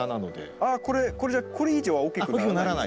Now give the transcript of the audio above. ああこれ以上は大きくならない？